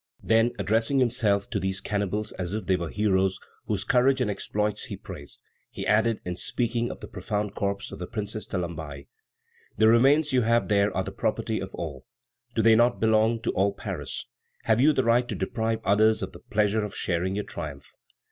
Then, addressing himself to these cannibals as if they were heroes whose courage and exploits he praised, he added, in speaking of the profaned corpse of the Princess de Lamballe: "The remains you have there are the property of all. Do they not belong to all Paris? Have you the right to deprive others of the pleasure of sharing your triumph?